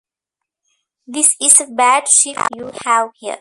This is a bad ship you have here.